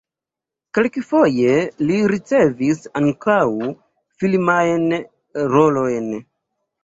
Kelkfoje li ricevis ankaŭ filmajn rolojn.